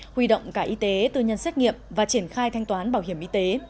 huy động cả y tế tư nhân xét nghiệm và triển khai thanh toán bảo hiểm y tế